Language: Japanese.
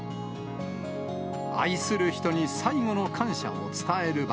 愛する人に最後の感謝を伝える場。